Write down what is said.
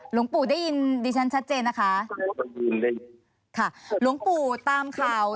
หลวงปู่ได้ยินดิฉันชัดเจนนะคะหลวงปู่ตามข่าว